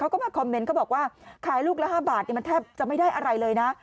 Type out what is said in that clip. เข้ามาคอมเมนต์เขาบอกว่าขายลูกละ๕บาทมันแทบจะไม่ได้อะไรเลยนะ